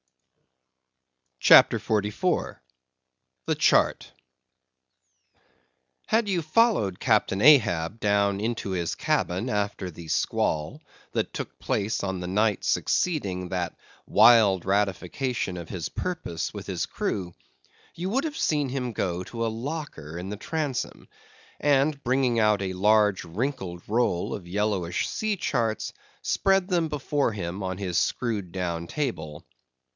CHAPTER 44. The Chart. Had you followed Captain Ahab down into his cabin after the squall that took place on the night succeeding that wild ratification of his purpose with his crew, you would have seen him go to a locker in the transom, and bringing out a large wrinkled roll of yellowish sea charts, spread them before him on his screwed down table.